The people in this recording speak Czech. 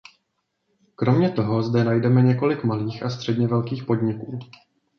Kromě toho zde najdeme několik malých a středně velkých podniků.